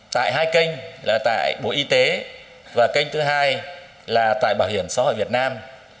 tại hai kênh là tại bộ y tế và kênh thứ hai là tại bảo hiểm xã hội việt nam